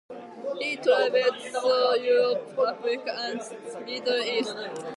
He traveled through Europe, Africa, and the Middle East.